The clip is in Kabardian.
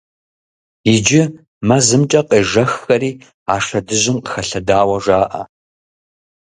Иджы мэзымкӀэ къежэххэри а шэдыжьым къыхэлъадэу жаӀэ.